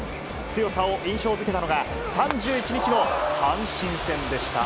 強さを印象づけたのが、３１日の阪神戦でした。